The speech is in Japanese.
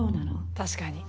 確かに。